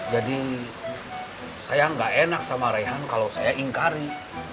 jadi saya gak enak sama reyhan kalau saya ingkari